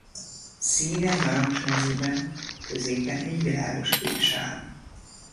Színe narancs mezőben középen egy világoskék sáv.